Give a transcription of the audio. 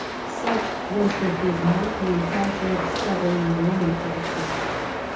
Such was the Bismarckian fashion of settling the Roman question.